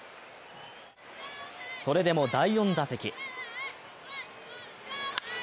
それでも第４打席。